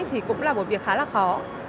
thì cũng là một việc khá là khó